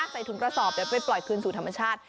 ใส่ถุงกระสอบเดี๋ยวไปปล่อยคืนสู่ธรรมชาติ